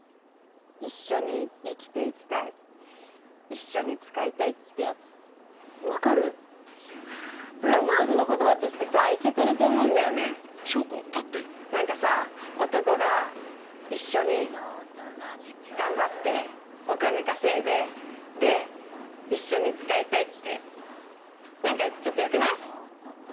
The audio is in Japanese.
「一緒に生きていきたい一緒に使いたい」ってやつわかるプロポーズの言葉としてさイケてると思うんだよねなんかさ男が一緒に頑張ってお金稼いでで一緒に使いたいってなんかちょっとよくない？